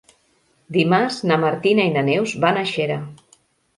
Dimarts na Martina i na Neus van a Xera.